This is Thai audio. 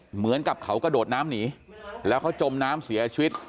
เหมือนกับเขากระโดดน้ำหนีแล้วเขาจมน้ำเสียชีวิต